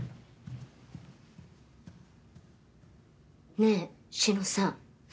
ねぇ志乃さん。